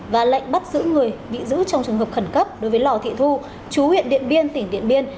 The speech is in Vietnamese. và lệnh bắt giữ người bị giữ trong trường hợp khẩn cấp đối với lò thị thu chú huyện điện biên tỉnh điện biên